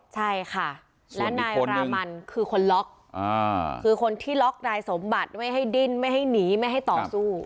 ใช่ค่ะและนายรามันคือคนล็อกคือคนที่ล็อกนายสมบัติไม่ให้ดิ้นไม่ให้หนีไม่ให้ต่อสู้